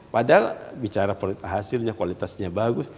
padahal bicara hasilnya kualitasnya bagus